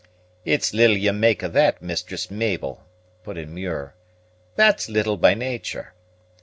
"It's little you'll make o' that, Mistress Mabel," put in Muir; "that's little by nature.